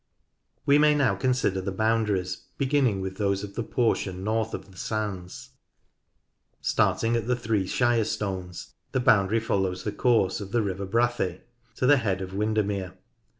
We may now consider the boundaries, beginning with those of the portion north of the sands. Starting at the Three Shire Stones the boundary follows the course of the river Brathay to the head of Windermere.